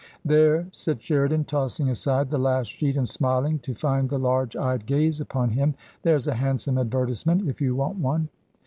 "There!" said Sheridan, tossing aside the last sheet and smiling to find the large eyed gaze upon him; " there's a handsome advertisement if you want one